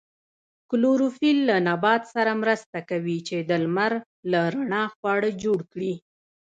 کلوروفیل له نبات سره مرسته کوي چې د لمر له رڼا خواړه جوړ کړي